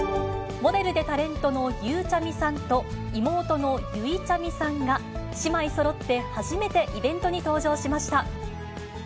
モデルでタレントのゆうちゃみさんと、妹のゆいちゃみさんが、姉妹そろって、初めてイベントに登場しました。